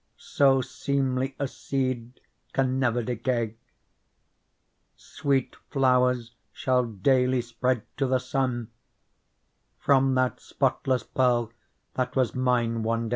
So seemly a seed can never decay ; Sweet flowers shall daily spread to the sun From that spotless Pearl that was mine one day.